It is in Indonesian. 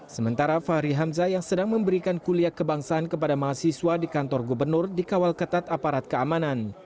sementara fahri hamzah yang sedang memberikan kuliah kebangsaan kepada mahasiswa di kantor gubernur dikawal ketat aparat keamanan